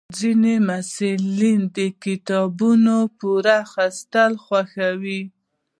ځینې محصلین د کتابونو پور اخیستل خوښوي.